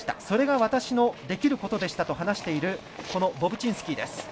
それが私のできることでしたと話しているボブチンスキーです。